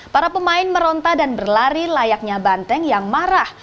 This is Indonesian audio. para pemain meronta dan berlari layaknya banteng yang marah